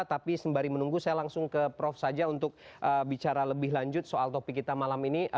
tapi sembari menunggu saya langsung ke prof saja untuk bicara lebih lanjut soal topik kita malam ini